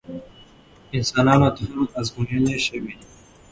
انسانانو ته هم ازموینې شوي دي.